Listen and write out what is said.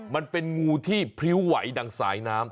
มันเป็นงูที่พริ้วไหวดังสายน้ำ